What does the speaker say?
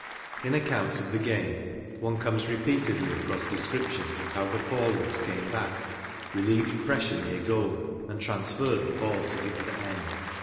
In accounts of the game one comes repeatedly across descriptions of how the forwards came back, relieved pressure near goal, and transferred the ball to the other end.